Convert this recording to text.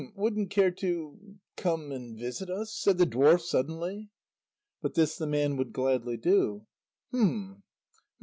Wouldn't care to ... come and visit us?" said the dwarf suddenly. But this the man would gladly do. "Hum hum.